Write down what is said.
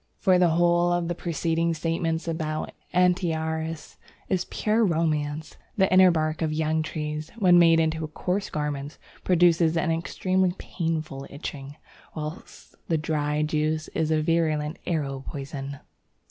For the whole of the preceding statements about Antiaris is pure romance. The inner bark of young trees, when made into coarse garments, produces an extremely painful itching, whilst the dried juice is a virulent arrow poison.